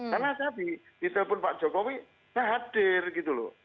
karena saya di di telepon pak jokowi saya hadir gitu loh